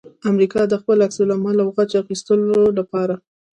امریکا د خپل عکس العمل او غچ اخستلو لپاره